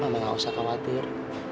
mama gak usah khawatir